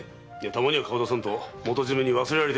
たまには顔を出さんと元締に忘れられてしまうからな。